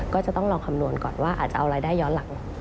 ก็จะต้องลองคำนวณก่อนว่าอาจจะเอารายได้ย้อนหลัง